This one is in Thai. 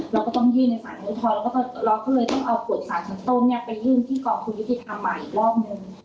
เราก็ต้องยื่นในสารอุทธรณ์เราก็เลยต้องเอากฎสารชั้นต้นเนี่ยไปยื่นที่กองทุนยุติธรรมใหม่อีกรอบหนึ่ง